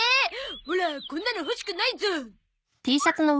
オラこんなの欲しくないゾ。